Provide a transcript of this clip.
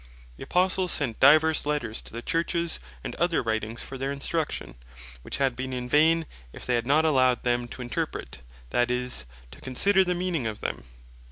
The Apostles sent divers Letters to the Churches, and other Writings for their instruction; which had been in vain, if they had not allowed them to Interpret, that is, to consider the meaning of them.